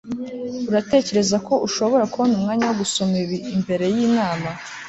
uratekereza ko ushobora kubona umwanya wo gusoma ibi mbere yinama